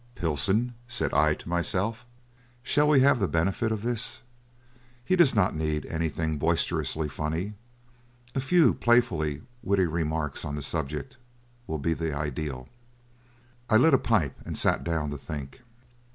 "Pilson," said I to myself, "shall have the benefit of this. He does not need anything boisterously funny. A few playfully witty remarks on the subject will be the ideal." I lit a pipe and sat down to think.